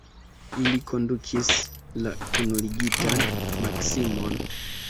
Ili kondukis la kunligitan Maksimon.